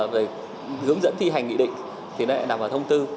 về hướng dẫn thi hành nghị định thì lại nằm vào thông tư